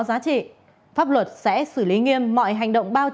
xã sipafin huyện nậm pồ tỉnh điện biên